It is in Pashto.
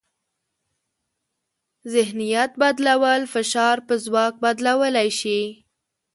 ذهنیت بدلول فشار په ځواک بدلولی شي.